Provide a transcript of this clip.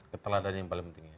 keteladanan yang paling penting